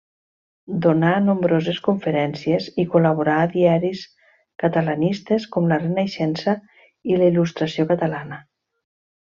Donà nombroses conferències i col·laborà a diaris catalanistes com La Renaixença i La Il·lustració Catalana.